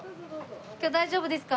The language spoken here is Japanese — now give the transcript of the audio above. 今日大丈夫ですか？